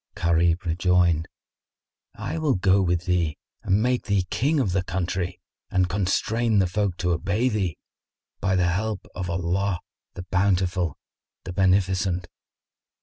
Gharib rejoined, "I will go with thee and make thee king of the country and constrain the folk to obey thee, by the help of Allah the Bountiful, the Beneficent."